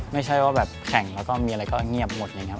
ไม่ใช่ว่าแบบแข่งแล้วก็มีอะไรก็เงียบหมดอะไรอย่างนี้